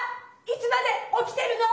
いつまでおきてるの！